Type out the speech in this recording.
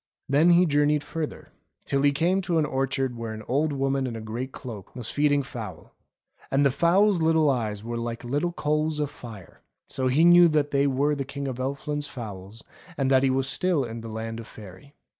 Then he journeyed further, till he came to an orchard where an old woman in a grey cloak was feeding fowls. And the fowls' little eyes were like little coals of fire, so he knew that they were the King of Elfland's fowls, and that he was still in the Land of Faery.